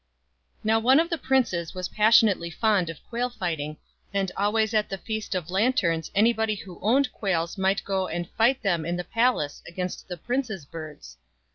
Now one of the princes was passionately fond of quail fighting, and always at the Feast of Lanterns any body who owned quails might go and fight them in the palace against the prince's birds.